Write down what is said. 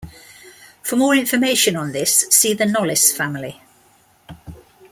For more information on this, see the Knollys family.